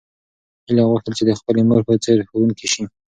هیلې غوښتل چې د خپلې مور په څېر ښوونکې شي.